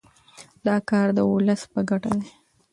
دا کار د ولس په ګټه دی.